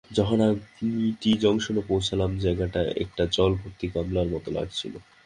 যখন আমি টি জংশনে পৌছালাম, যায়গাটা একটা জল ভর্তি গামলার মত লাগছিল।